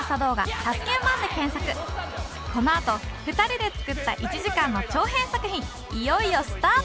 このあと２人で作った１時間の長編作品いよいよスタート！